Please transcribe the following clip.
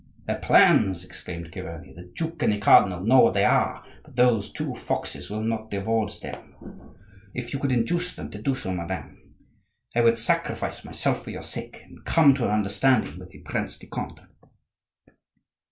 "Their plans!" exclaimed Chiverni; "the duke and the cardinal know what they are, but those two foxes will not divulge them. If you could induce them to do so, madame, I would sacrifice myself for your sake and come to an understanding with the Prince de Conde."